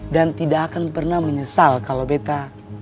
dan tidak akan pernah menyesal kalo betta